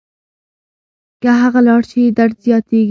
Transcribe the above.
که هغه لاړه شي درد زیاتېږي.